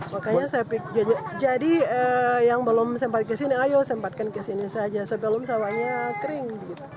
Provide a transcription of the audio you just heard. makanya saya pikir jadi yang belum sempat kesini ayo sempatkan kesini saja sebelum sawahnya kering